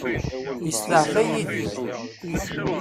Isteɛfa Yidir.